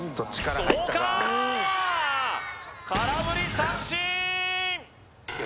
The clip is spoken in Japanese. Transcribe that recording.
空振り三振！